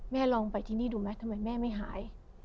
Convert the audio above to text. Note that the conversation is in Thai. แม่ลองไปที่นี่ดูมั้ยทำไมแม่ไม่หาย